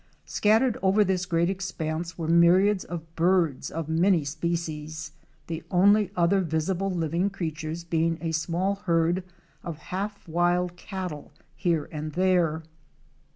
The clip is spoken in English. Scattered over this great expanse were myriads of birds of many species, the only other visible living creatures being a small herd of half wild cattle here and there.